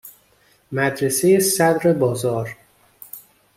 مدرسه صَدر بازار